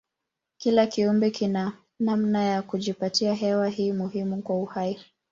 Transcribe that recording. Kila kiumbe kina namna ya kujipatia hewa hii muhimu kwa uhai.